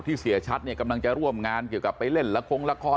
เสียชัดเนี่ยกำลังจะร่วมงานเกี่ยวกับไปเล่นละครละคร